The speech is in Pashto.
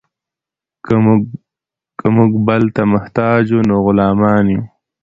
که موږ بل ته محتاج وو نو غلامان یو.